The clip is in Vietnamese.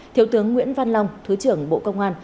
thiếu tướng nguyễn văn long thứ trưởng bộ công an